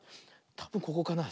たぶんここかな。